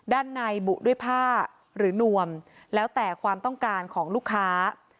ด้านในบุด้วยผ้าหรือนวมแล้วแต่ความต้องการของลูกค้า